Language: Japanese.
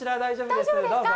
大丈夫ですか？